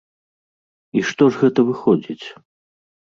І што ж гэта выходзіць?